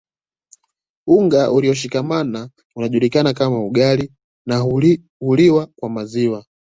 Unga ulioshikamana unajulikana kama ugali na huliwa kwa maziwa